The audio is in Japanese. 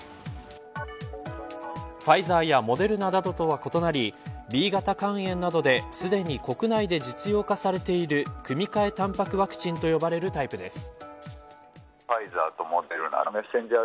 ファイザーやモデルナなどとは異なりＢ型肝炎などですでに国内で実用化されている組換えたんぱくワクチンと呼ばれるタイプです。